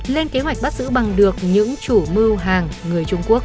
lên kế hoạch bắt giữ bằng được những chủ mưu hàng người trung quốc